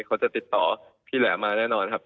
เขาจะติดต่อพี่แหลมมาแน่นอนครับ